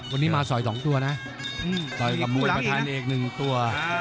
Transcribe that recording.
วันนี้มาสอย๒ตัวนะต่อยกับมวยประธานเอก๑ตัว